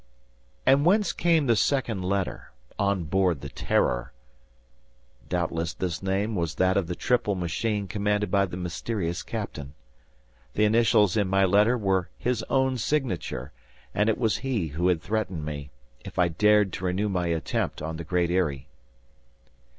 And whence came the second letter? "On Board the 'Terror.'" Doubtless this name was that of the triple machine commanded by the mysterious captain. The initials in my letter were his own signature; and it was he who had threatened me, if I dared to renew my attempt on the Great Eyrie.